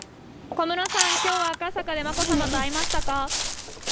小室さん、今日は赤坂で眞子さまと会いましたか？